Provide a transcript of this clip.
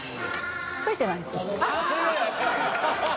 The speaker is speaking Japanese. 付いてないですか？